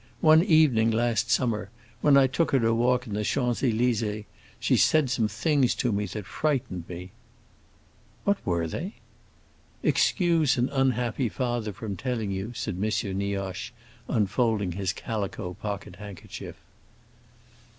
One evening, last summer, when I took her to walk in the Champs Élysées, she said some things to me that frightened me." "What were they?" "Excuse an unhappy father from telling you," said M. Nioche, unfolding his calico pocket handkerchief.